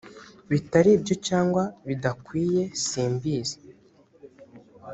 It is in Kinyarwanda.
bitari byo cyangwa bidakwiye simbizi